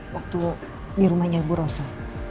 waktu di rumahnya bu rosa